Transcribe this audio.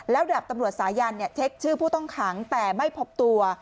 แล้วดาบตำรวจสายันทร์เช็คชื่อผู้ต้องหาแต่ไม่พบตัว